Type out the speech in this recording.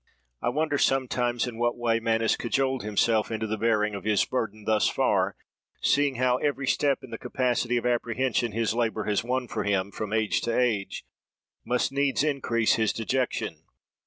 I wonder, sometimes, in what way man has cajoled himself into the bearing of his burden thus far, seeing how every step in the capacity of apprehension his labour has won for him, from age to age, must needs increase his dejection.